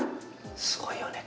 すごいよね